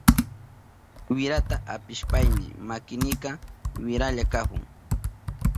Wirata apishpayni makinika wirahlla kahun.